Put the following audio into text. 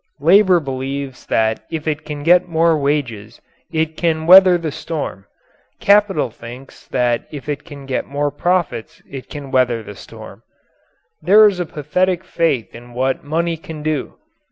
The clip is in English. Labour believes that if it can get more wages, it can weather the storm. Capital thinks that if it can get more profits, it can weather the storm. There is a pathetic faith in what money can do.